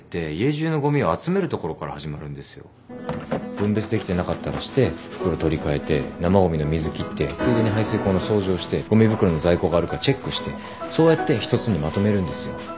分別できてなかったらして袋取り換えて生ごみの水切ってついでに排水口の掃除をしてごみ袋の在庫があるかチェックしてそうやって１つにまとめるんですよ。